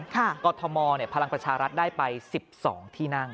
กรทมพลังประชารัฐได้ไป๑๒ที่นั่ง